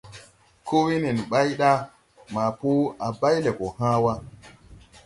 Koo wee nen ɓay ɗa maa po a bay lɛ gɔ hãã wa.